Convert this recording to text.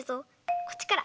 こっちから。